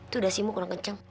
tuh udah simu kurang kenceng